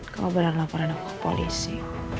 kamu beran laporan aku ke polisi